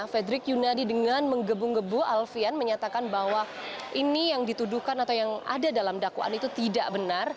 fredrik yunadi dengan menggebu gebu alfian menyatakan bahwa ini yang dituduhkan atau yang ada dalam dakwaan itu tidak benar